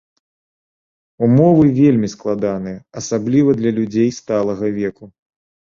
Умовы вельмі складаныя, асабліва для людзей сталага веку.